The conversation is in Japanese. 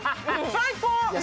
最高！